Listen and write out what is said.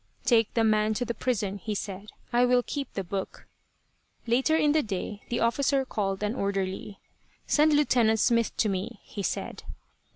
"Take the man to the prison," he said. "I will keep the book." Later in the day the officer called an orderly. "Send Lieutenant Smith to me," he said.